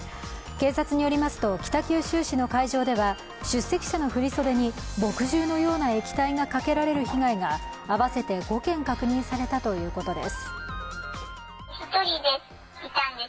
警察によりますと北九州市の会場では出席者の振り袖に墨汁のような液体がかけられる被害が合わせて５件確認されたということです。